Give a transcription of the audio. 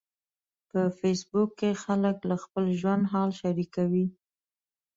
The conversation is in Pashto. په فېسبوک کې خلک له خپل ژوند حال شریکوي.